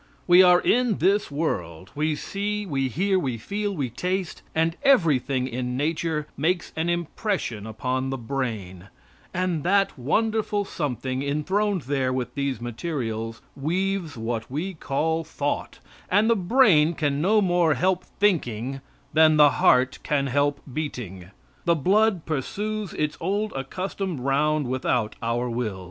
We are in this world we see, we hear, we feel, we taste; and everything in nature makes an impression upon the brain, and that wonderful something, enthroned there with these materials, weaves what we call thought, and the brain can no more help thinking than the heart can help beating. The blood pursues its old accustomed round without our will.